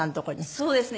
そうですね。